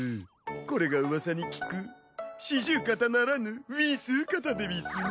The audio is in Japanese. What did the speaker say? これがうわさに聞く四十肩ならぬウィスー肩でうぃすね。